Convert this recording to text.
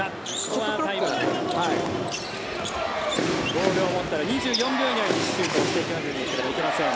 ボールを持ったら２４秒以内にシュートを打たなければいけません。